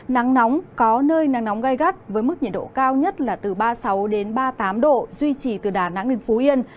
nắng nóng có nơi nắng nóng gai gắt với mức nhiệt độ cao nhất là từ ba mươi sáu ba mươi tám độ duy trì từ đà nẵng đến phú yên